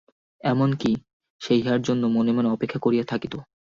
এমন-কি, সে ইহার জন্য মনে মনে অপেক্ষা করিয়া থাকিত।